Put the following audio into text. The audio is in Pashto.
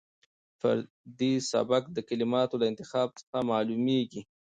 فردي سبک د کلماتو له انتخاب څخه معلومېږي.